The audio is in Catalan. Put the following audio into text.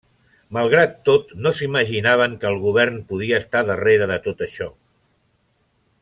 Malgrat tot, no s'imaginaven que el govern podia estar darrere de tot això.